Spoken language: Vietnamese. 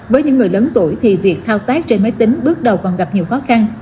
với những người lớn tuổi thì việc thao tác trên máy tính bước đầu còn gặp nhiều khó khăn